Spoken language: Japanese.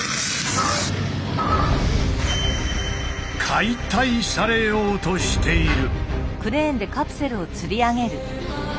解体されようとしている。